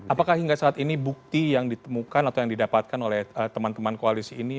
apakah hingga saat ini bukti yang ditemukan atau yang didapatkan oleh teman teman koalisi ini